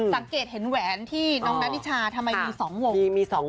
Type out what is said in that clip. สังเกตเห็นแหวนที่น้องนานิชาทำไมมี๒วง